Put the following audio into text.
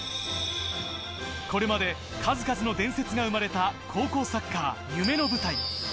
これまで数々の伝説が生まれた高校サッカー夢の舞台。